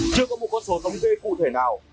chưa có một con số thống kê cụ thể nào